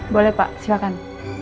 boleh pak silakan